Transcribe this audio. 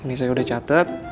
ini saya udah catet